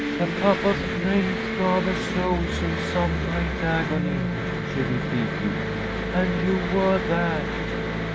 "'The cup of strength to other souls in some great agony,'" she repeated. "And you were that!